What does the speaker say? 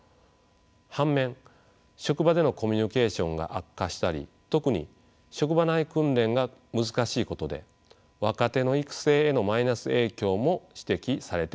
半面職場でのコミュニケーションが悪化したり特に職場内訓練が難しいことで若手の育成へのマイナス影響も指摘されています。